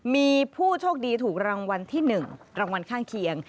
มีผู้โชคดีถูกรางวัลที่๑รางวัลข้างเคียง